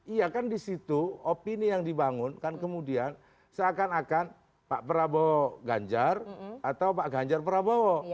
iya kan di situ opini yang dibangun kan kemudian seakan akan pak prabowo ganjar atau pak ganjar prabowo